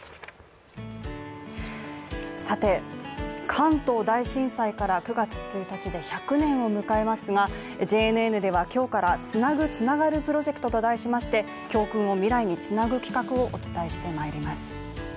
関東大震災から９月１日で１００年を迎えますが、ＪＮＮでは今日から「つなぐ、つながるプロジェクト」と題しまして教訓を未来につなぐ企画をお伝えしてまいります。